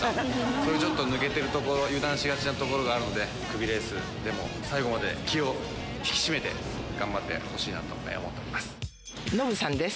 それ、ちょっと抜けてるところ、油断しがちなところがあるので、クビレースでも最後まで気を引き締めて、頑張ってほしいなと思っノブさんです。